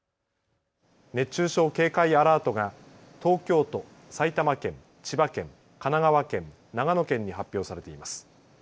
熱中症警戒アラートが東京都、埼玉県、千葉県、神奈川県、長野県に発表されています。